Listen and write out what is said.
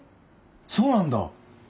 そうなんだ。